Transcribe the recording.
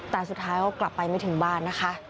แต่สุดท้ายกลับไปไม่ถึงบ้าน